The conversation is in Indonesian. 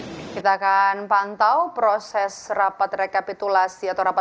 baik kita akan pantau proses rapat rekapitulasi atau rapat